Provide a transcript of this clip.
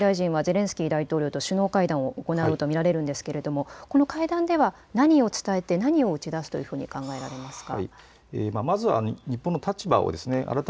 そして徳丸さん、このあと岸田総理大臣はゼレンスキー大統領と首脳会談をを行うと見られるんですがこの会談では何を伝えて、何を打ち出すと考えられますか。